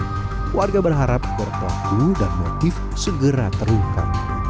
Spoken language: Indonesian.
keluarga berharap berpelaku dan motif segera terluka